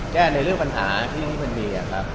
แก้ในเรื่องก็พันธาที่มี